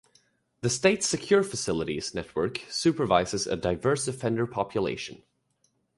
The state secure-facilities network supervises a diverse offender population.